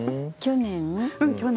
去年？